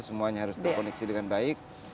semuanya harus terkoneksi dengan baik